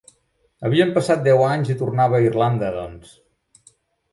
Havien passat deu anys i tornava a Irlanda, doncs.